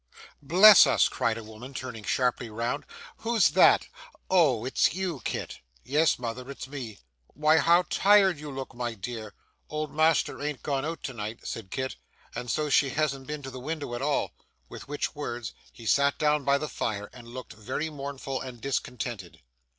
'Bless us!' cried a woman turning sharply round, 'who's that? Oh! It's you, Kit!' 'Yes, mother, it's me.' 'Why, how tired you look, my dear!' 'Old master an't gone out to night,' said Kit; 'and so she hasn't been at the window at all.' With which words, he sat down by the fire and looked very mournful and discontented.